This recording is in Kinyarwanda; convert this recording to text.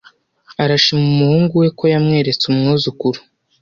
Arashima umuhungu we ko yamweretse umwuzukuru